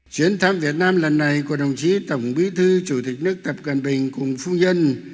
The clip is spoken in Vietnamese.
chuyến thăm việt nam lần này của đồng chí tổng bí thư chủ tịch nước tập cận bình cùng phu nhân